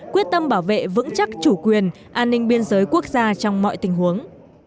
quyết tâm bảo vệ vững chắc chủ quyền an ninh biên giới quốc gia trong mọi tình huống